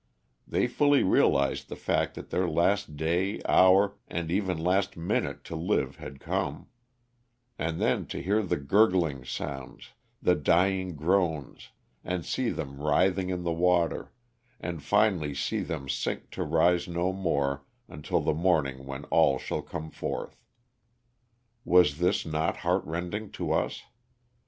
They fully realized the fact that their last day, hour and even last minute to live had come; and then to hear the gurgling sounds, the dying groans and see them writhing in the water, and finally see them sink to rise no more until the morning when all shall come forth. Was this not heart rending to us?